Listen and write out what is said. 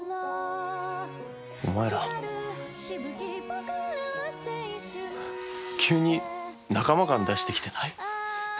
お前ら急に仲間感出してきてない？